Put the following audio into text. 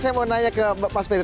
saya mau nanya ke mas ferry